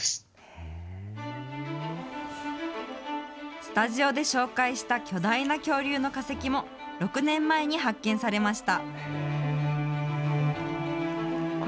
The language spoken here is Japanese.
スタジオで紹介した巨大な恐竜の化石も、６年前に発見されました。